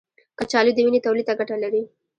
کچالو د وینې تولید ته ګټه لري.